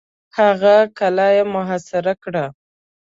هغه قلا یې محاصره کړه.